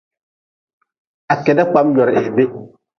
Ha keda kpam jora bih.